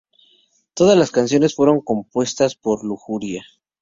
Todos las canciones fueron compuestas por Lujuria.